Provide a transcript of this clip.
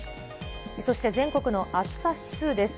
そして全国の暑さ指数です。